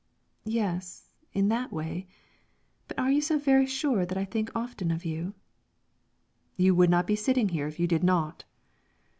"Yes, in that way. But are you so very sure that I think often of you?" "You would not be sitting here if you did not."